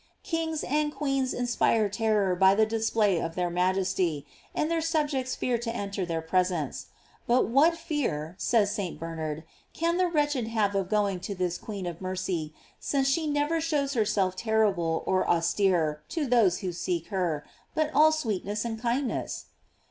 * Kings and queens inspire terror by the display of their majesty, and their subjects fear to enter their presence; but what fear, says St. Bernard, can the wretched have of going to this queen of mercy since she never shows herself terrible or aus tere to those who seek her, but all sweetness and kindness?